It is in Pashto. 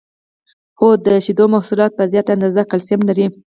هو د شیدو محصولات په زیاته اندازه کلسیم لري